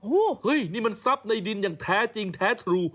โอ้โหเฮ้ยนี่มันทรัพย์ในดินอย่างแท้จริงแท้ทรู